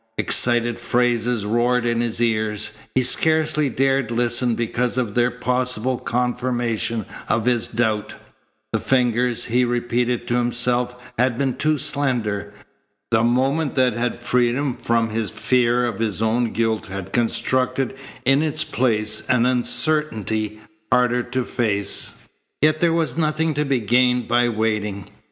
Excited phrases roared in his ears. He scarcely dared listen because of their possible confirmation of his doubt. The fingers, he repeated to himself, had been too slender. The moment that had freed him from fear of his own guilt had constructed in its place an uncertainty harder to face. Yet there was nothing to be gained by waiting.